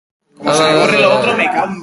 Pausakera hau giza naturari erabat datorkio.